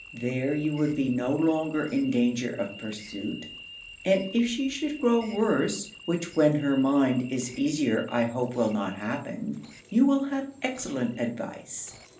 There you would be no longer in danger of pursuit; and if she should grow worse, which when her mind is easier I hope will not happen, you will have excellent advice.